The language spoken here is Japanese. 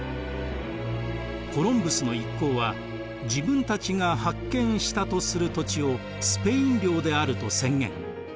コロンブスの一行は自分たちが発見したとする土地をスペイン領であると宣言。